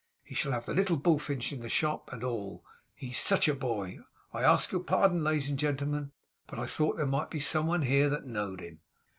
He shall have the little bullfinch in the shop, and all. He's sech a boy! I ask your pardon, ladies and gentlemen, but I thought there might be some one here that know'd him!